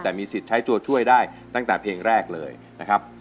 แต่มีสิทธิ์ใช้ตัวช่วยได้ตั้งแต่เพลงแรกเลยนะครับ